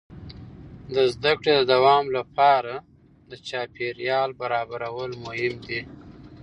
د زده کړې د دوام لپاره چاپېریال برابرول مهم دي.